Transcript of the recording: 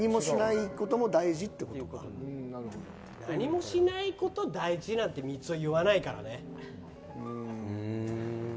何もしないこと大事なんてみつをは言わないからね。